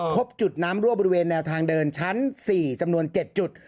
พบจุดน้ำรั่วบริเวณแนวทางเดินชั้น๔จำนวน๗จุด